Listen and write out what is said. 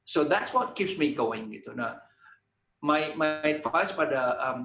jadi itu yang membuat saya terus berjalan